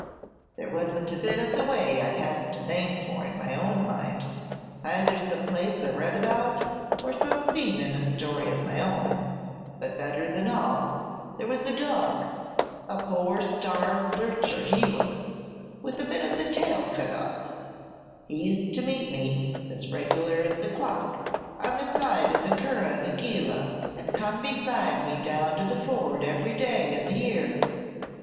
There wasn't a bit of the way I had n't a name for in my own mind, either some place I read about, or some scene in a story of my own; but better than all, there was a dog, a poor starved lurcher he was, with a bit of the tail cut off; he used to meet me, as regular as the clock, on the side of Currah na geelah, and come beside me down to the ford every day in the year.